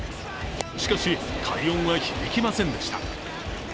しかし、快音は響きませんでした。